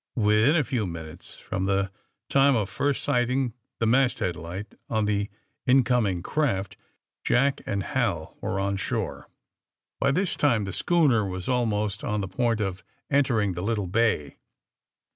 Within a few minutes from the time of first sighting the masthead light on the incoming craft Jack and Hal were on shore. By this time the schooner was almost on the point of entering the little bay.